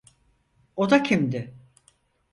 O da kimdi?